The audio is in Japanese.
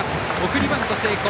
送りバント成功。